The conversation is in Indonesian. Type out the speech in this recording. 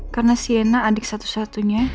karena siena adik satu satunya